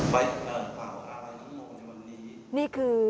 ไป